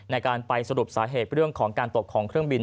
ในการไปสรุปสาเหตุเรื่องของการตกของเครื่องบิน